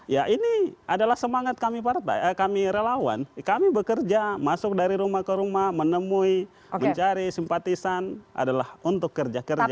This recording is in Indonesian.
ya ini adalah semangat kami partai kami relawan kami bekerja masuk dari rumah ke rumah menemui mencari simpatisan adalah untuk kerja kerja